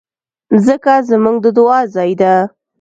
مځکه زموږ د دعا ځای ده.